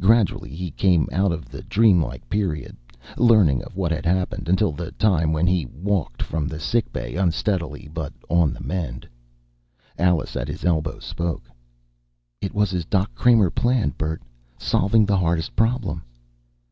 Gradually he came out of the dream like period, learning of what had happened. Until the time when he walked from the sick bay, unsteadily, but on the mend. Alice, at his elbow, spoke: "It was like Doc Kramer planned, Bert, solving the hardest problem."